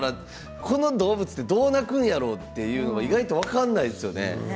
この動物どう鳴くんやろうみたいな意外と分からないですよね。